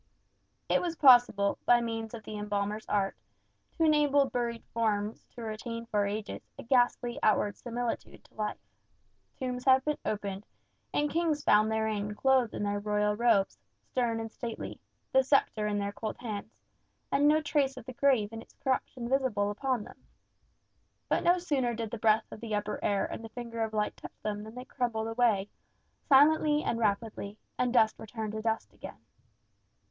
It is possible, by means of the embalmer's art, to enable buried forms to retain for ages a ghastly outward similitude to life. Tombs have been opened, and kings found therein clothed in their royal robes, stern and stately, the sceptre in their cold hands, and no trace of the grave and its corruption visible upon them. But no sooner did the breath of the upper air and the finger of light touch them than they crumbled away, silently and rapidly, and dust returned to dust again.